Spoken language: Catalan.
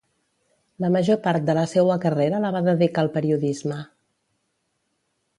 La major part de la seua carrera la va dedicar al periodisme.